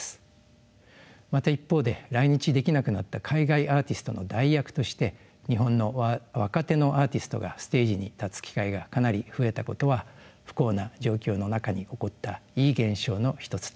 また一方で来日できなくなった海外アーティストの代役として日本の若手のアーティストがステージに立つ機会がかなり増えたことは不幸な状況の中に起こったいい現象の一つと言えるでしょう。